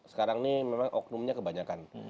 sekarang ini memang oknumnya kebanyakan